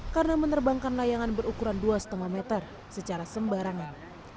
karena menerbangkan layangan berukuran dua lima meter secara sembarangan